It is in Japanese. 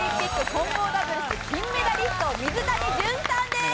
混合ダブルス金メダリスト水谷隼さんでーす！